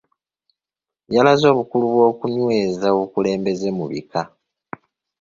Yalaze obukulu bw’okunyweza obukulembeze mu Bika.